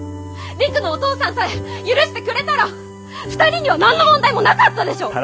陸のお父さんさえ許してくれたら２人には何の問題もなかったでしょう！？